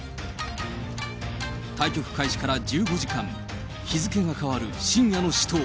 対局開始から１５時間、日付が変わる深夜の死闘。